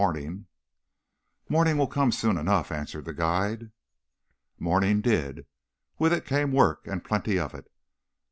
"Morning will come soon enough," answered the guide. Morning did. With it came work, and plenty of it.